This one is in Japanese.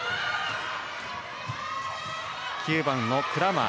９番のクラーマー。